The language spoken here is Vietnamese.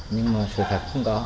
nhưng mà sự thật không có